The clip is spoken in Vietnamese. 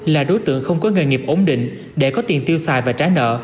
là đối tượng không có nghề nghiệp ổn định để có tiền tiêu xài và trả nợ